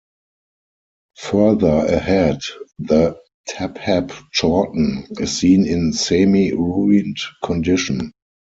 Further ahead, the 'Taphap Chorten' is seen in semi ruined condition.